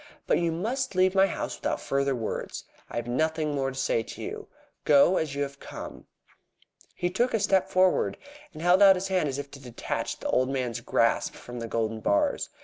But you must leave my house without further words. I have nothing more to say to you. Go as you have come." He took a step forward, and held out his hand as if to detach the old man's grasp from the golden bars.